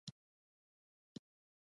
ناقانونه کورونه خدمتونه ګرانوي.